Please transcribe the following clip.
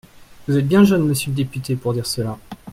Vous êtes bien jeune, monsieur le député, pour dire cela.